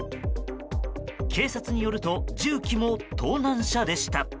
警察によると重機も盗難車でした。